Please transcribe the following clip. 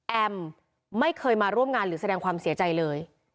ไม่เคยมาร่วมงานหรือแสดงความเสียใจเลย